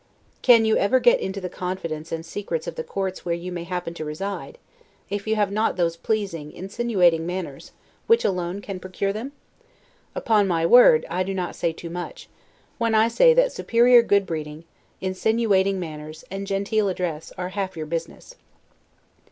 Can you ever get into the confidence and the secrets of the courts where you may happen to reside, if you have not those pleasing, insinuating manners, which alone can procure them? Upon my word, I do not say too much, when I say that superior good breeding, insinuating manners, and genteel address, are half your business.